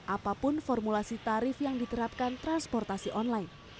apapun formulasi tarif yang diterapkan transportasi online